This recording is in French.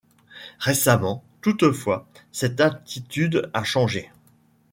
Récemment, toutefois, cette attitude a changé.